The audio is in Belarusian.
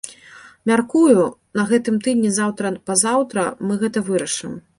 Мяркую, на гэтым тыдні, заўтра-пазаўтра мы гэта вырашым.